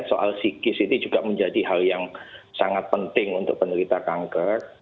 soal psikis itu juga menjadi hal yang sangat penting untuk penderita kanker